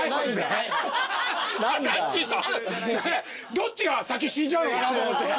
どっちが先死んじゃうのかなと思って。